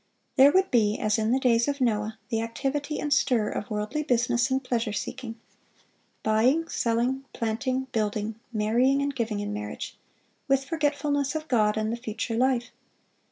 There would be, as in the days of Noah, the activity and stir of worldly business and pleasure seeking—buying, selling, planting, building, marrying, and giving in marriage—with forgetfulness of God and the future life.